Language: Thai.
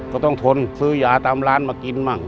ก็ต้องทนซื้อยาตามร้านมากินบ้าง